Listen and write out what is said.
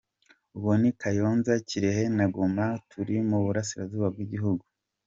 Utwo ni Kayonza, Kirehe na Ngoma turi mu burasirazuba bw'igihugu.